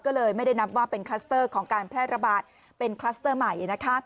ก็เลยไม่ได้นับว่าเป็นคลัสเตอร์ของการแพร่ระบาดเป็นคลัสเตอร์ใหม่